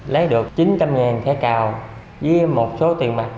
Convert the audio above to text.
lấy được chín trăm linh thẻ cào với một số tiền mặt